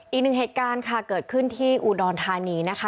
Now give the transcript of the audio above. อีกหนึ่งเหตุการณ์ค่ะเกิดขึ้นที่อุดรธานีนะคะ